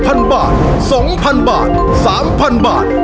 หัวหนึ่งหัวหนึ่ง